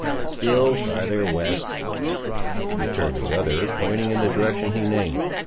"Still farther west," returned the other, pointing in the direction he named.